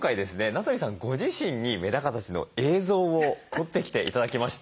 名取さんご自身にメダカたちの映像を撮ってきて頂きました。